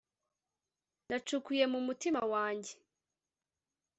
nacukuye mu mutima wanjye